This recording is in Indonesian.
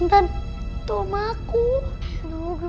zayda selalu b white